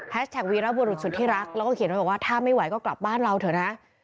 แฮชแท็กวิรับบุรุษสุดที่รักแล้วก็เขียนว่าถ้าไม่ไหวก็กลับบ้านเราเถอะนะ